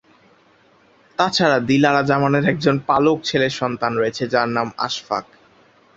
তাছাড়া দিলারা জামানের একজন পালক ছেলে সন্তান রয়েছে, যার নাম আশফাক।